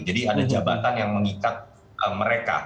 jadi ada jabatan yang mengikat mereka